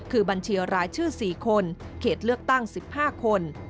คือบัญชีรายชื่อ๔คนเขตเลือกตั้ง๑๕คน